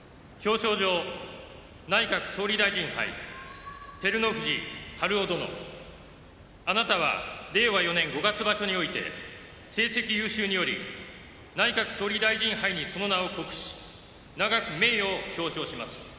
表彰状内閣総理大臣杯照ノ富士春雄殿あなたは令和４年五月場所において成績優秀により内閣総理大臣杯にその名を刻し永く名誉を表彰します